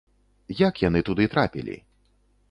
Як яны туды трапілі?